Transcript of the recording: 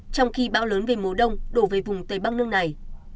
trong khi bão lớn về mùa đông đổ về vùng tây bắc nước này